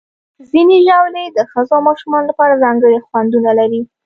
ځینې ژاولې د ښځو او ماشومانو لپاره ځانګړي خوندونه لري.